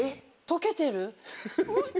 溶けてる。